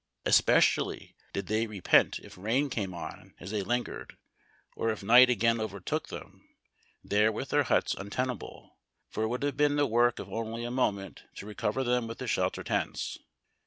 Especially did they repent if rain came on as they lingered, or if night again overtook them there VN^ith their huts untenable, for it would have been the work of only a moment to re cover them with the Shelter tents.